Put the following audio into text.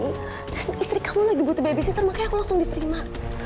dan istri kamu lagi butuh babysitter makanya aku langsung diterima